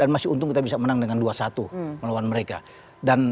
masih untung kita bisa menang dengan dua satu melawan mereka